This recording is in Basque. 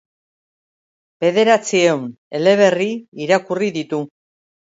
Bederatziehun eleberri irakurri ditu.